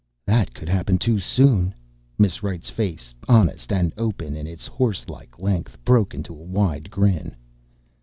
"That could happen too soon!" Miss Wright's face, honest and open in its horse like length, broke into a wide grin.